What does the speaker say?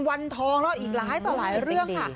วันทองแล้วอีกหลายต่อหลายเรื่องค่ะ